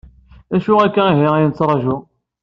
D acu akk-a ihi ay nettraju?